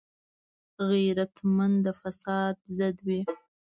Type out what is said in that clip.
غیرتمند د فساد ضد وي